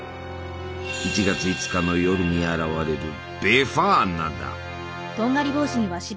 １月５日の夜に現れるベファーナだ！